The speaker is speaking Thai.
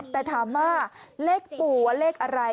แต่ถามว่าเลขปู่ว่าเลขอะไร